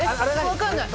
分かんない。